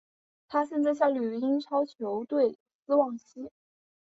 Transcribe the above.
他现在效力于英超球队斯旺西。